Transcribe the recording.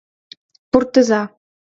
Пуртыза!